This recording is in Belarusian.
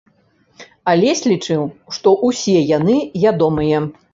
Алесь лічыў, што ўсе яны ядомыя.